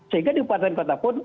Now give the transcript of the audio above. sehingga di kabupaten kota pun